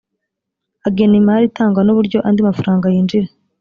agena imali itangwa n uburyo andi mafaranga yinjira